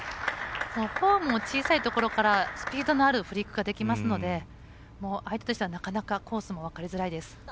フォームの小さいところからスピードのあるフリックができますので相手としたらなかなかコースも分かりづらいです。